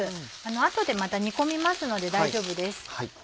あとでまた煮込みますので大丈夫です。